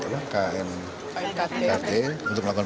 untuk melakukan penyelidikan